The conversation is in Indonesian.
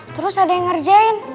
terus ada yang ngerjain